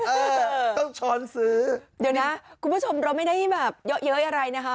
เออต้องช้อนซื้อเดี๋ยวนะคุณผู้ชมเราไม่ได้แบบเยอะเย้ยอะไรนะคะ